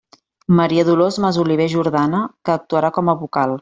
Maria Dolors Masoliver Jordana, que actuarà com a vocal.